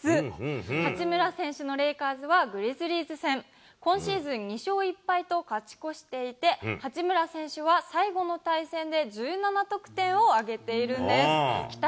八村選手のレイカーズはグリズリーズ戦、今シーズン２勝１敗と勝ち越していて、八村選手は最後の対戦で１７得点を挙げているんです。